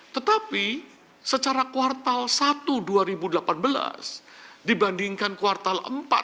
tetapi secara kuartal satu dua ribu delapan belas dibandingkan kuartal empat dua ribu tujuh belas